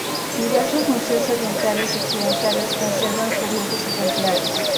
Diversos museos orientales y occidentales conservan curiosos ejemplares.